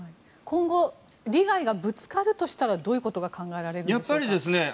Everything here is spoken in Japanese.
今後利害がぶつかるとしたらどういうことが考えられますか？